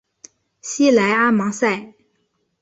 西莱阿芒塞。